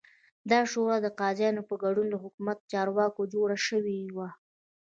دا شورا د قاضیانو په ګډون له حکومتي چارواکو جوړه شوې وه